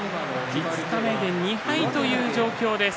五日目で２敗という状況です。